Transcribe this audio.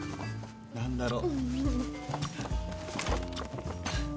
何だろう。